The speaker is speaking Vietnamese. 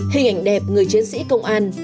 hình ảnh đẹp người chiến sĩ công an